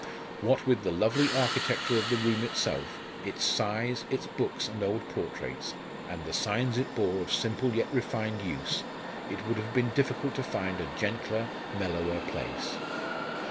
What with the lovely architecture of the room itself, its size, its books and old portraits, and the signs it bore of simple yet refined use, it would have been difficult to find a gentler, mellower place.